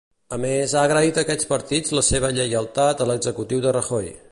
A més, ha agraït aquests partits la seva lleialtat a l'executiu de Rajoy.